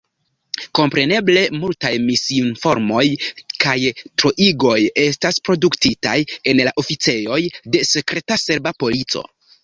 Kompreneble, multaj misinformoj kaj troigoj estas produktitaj en la oficejoj de sekreta serba polico.